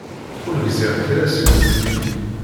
Ur gziɣ kra seg zgelli.